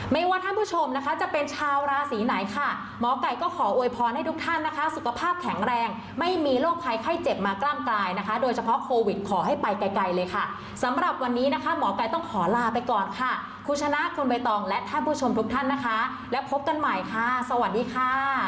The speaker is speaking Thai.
ว่าท่านผู้ชมนะคะจะเป็นชาวราศีไหนค่ะหมอไก่ก็ขอโวยพรให้ทุกท่านนะคะสุขภาพแข็งแรงไม่มีโรคภัยไข้เจ็บมากล้ามกายนะคะโดยเฉพาะโควิดขอให้ไปไกลไกลเลยค่ะสำหรับวันนี้นะคะหมอไก่ต้องขอลาไปก่อนค่ะคุณชนะคุณใบตองและท่านผู้ชมทุกท่านนะคะและพบกันใหม่ค่ะสวัสดีค่ะ